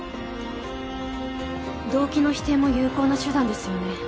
動機の否定も有効な手段ですよね。